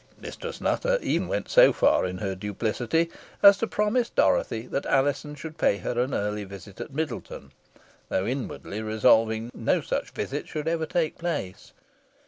Mistress Nutter even went so far in her duplicity as to promise Dorothy, that Alizon should pay her an early visit at Middleton though inwardly resolving no such visit should ever take place.